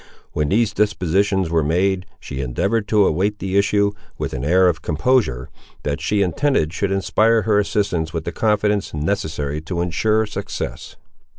When these dispositions were made, she endeavoured to await the issue, with an air of composure, that she intended should inspire her assistants with the confidence necessary to ensure success.